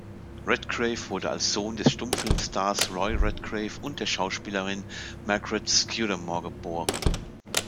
Redgrave wurde als Sohn des Stummfilmstars Roy Redgrave und der Schauspielerin Margaret Scudamore geboren.